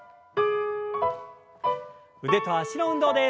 腕と脚の運動です。